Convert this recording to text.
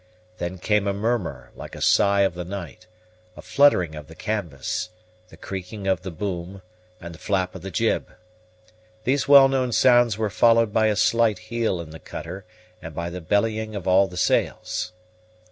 Then came a murmur, like a sigh of the night, a fluttering of the canvas, the creaking of the boom, and the flap of the jib. These well known sounds were followed by a slight heel in the cutter, and by the bellying of all the sails.